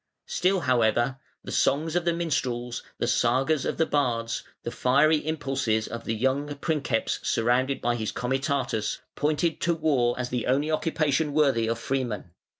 Still, however, the songs of the minstrels, the sagas of the bards, the fiery impulses of the young princeps surrounded by his comitatus pointed to war as the only occupation worthy of freemen.